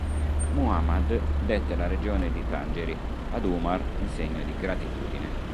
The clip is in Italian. Muḥammad dette la regione di Tangeri ad ʿUmar in segno di gratitudine.